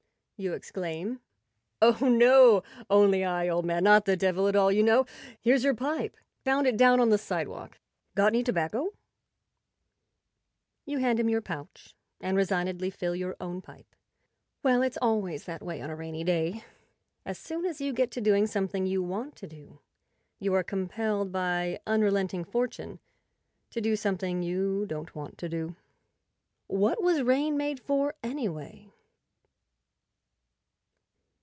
" you exclaim. " Oh, no, only I, old man; not the devil at all, you know. Here's your pipe. Found it down on the sidewalk. Got any tobacco ?" You hand him your pouch and resignedly fill your own pipe. Well, it's always that way on a rainy day. As soon as you get to doing something you want to do, you are compelled by unrelenting Fortune to do something you don't want to do. What was rain made for, anyway?